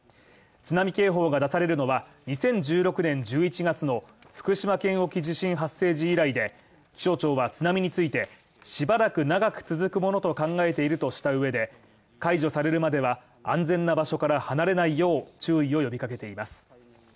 津波警報が出されるのは、２０１６年１１月の福島県沖地震発生時以来で、気象庁は津波についてしばらく長く続くものと考えているとした上で解除されるまでは、安全な場所から離れないよう注意を呼びかけています。